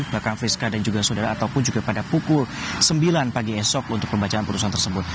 bahkan friska dan juga saudara ataupun juga pada pukul sembilan pagi esok untuk pembacaan putusan tersebut